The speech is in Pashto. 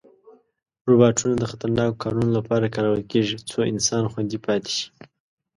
روباټونه د خطرناکو کارونو لپاره کارول کېږي، څو انسان خوندي پاتې شي.